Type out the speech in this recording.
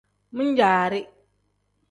Min-jaari.